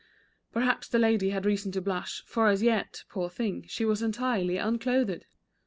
Perhaps the lady had reason to blush, for as yet, poor thing, she was entirely unclothed.